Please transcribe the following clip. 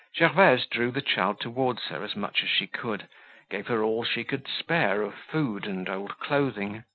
Gervaise drew the child towards her as much as she could, gave her all she could spare of food and old clothing.